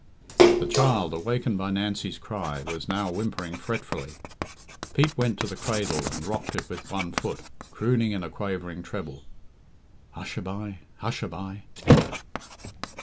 The child, awakened by Nancy's cry, was now whimpering fretfully. Pete went to the cradle and rocked it with one foot, crooning in a quavering treble, "Hush a bye! hush a bye!"